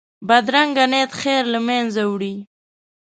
بدرنګه نیت خیر له منځه وړي